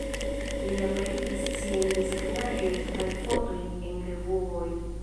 Li aperigis siajn desegnaĵojn kaj fotojn en revuoj.